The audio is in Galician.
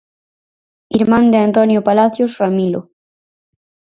Irmán de Antonio Palacios Ramilo.